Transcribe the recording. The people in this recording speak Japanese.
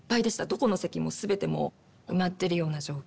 どこの席も全てもう埋まってるような状況で。